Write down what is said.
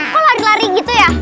kok lari lari gitu ya